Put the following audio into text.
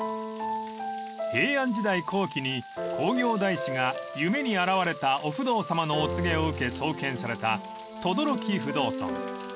［平安時代後期に興教大師が夢に現れた御不動さまのお告げを受け創建された等々力不動尊］